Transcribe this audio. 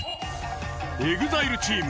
ＥＸＩＬＥチーム